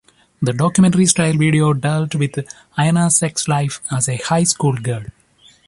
This documentary-style video dealt with Ayana's sex life as a high school girl.